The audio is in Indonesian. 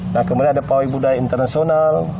nah kemudian ada pawai budaya internasional